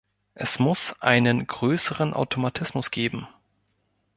Es muss einen größeren Automatismus geben.